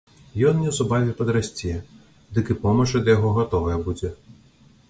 Ён неўзабаве падрасце, дык і помач ад яго гатовая будзе.